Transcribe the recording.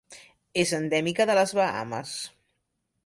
És endèmica de les Bahames.